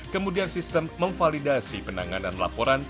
kemudian sistem memvalidasi penanganan laporan